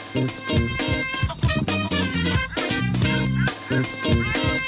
คุกคุกคุกกัน